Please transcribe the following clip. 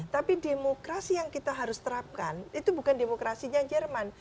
tapi demokrasi yang kita harus terapkan itu bukan demokrasinya jerman